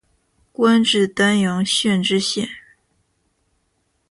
官至丹阳县知县。